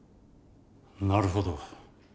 なるほど。